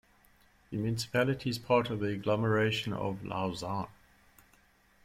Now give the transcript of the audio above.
The municipality is part of the agglomeration of Lausanne.